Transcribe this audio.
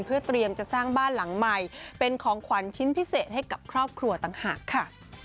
เพื่อเตรียมจะสร้างบ้านหลังใหม่เป็นของขวัญชิ้นพิเศษให้กับครอบครัวต่างหากค่ะ